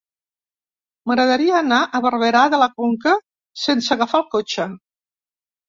M'agradaria anar a Barberà de la Conca sense agafar el cotxe.